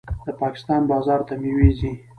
د پاکستان بازار ته میوې ځي.